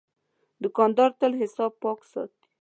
دوکاندار تل حساب پاک ساتي.